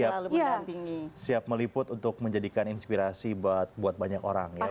mudah mudahan kami siap meliput untuk menjadikan inspirasi buat banyak orang ya